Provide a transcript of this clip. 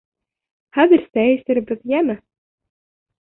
— Хәҙер сәй эсербеҙ, йәме.